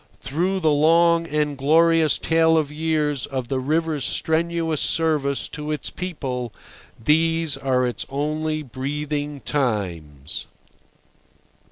Through the long and glorious tale of years of the river's strenuous service to its people these are its only breathing times.